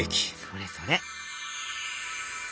それそれ。